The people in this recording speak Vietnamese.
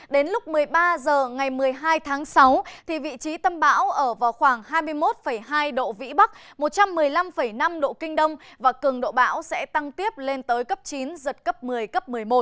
đến lúc một mươi ba h ngày một mươi hai tháng sáu vị trí tâm bão ở vào khoảng hai mươi một hai độ vĩ bắc một trăm một mươi năm năm độ kinh đông và cường độ bão sẽ tăng tiếp lên tới cấp chín giật cấp một mươi cấp một mươi một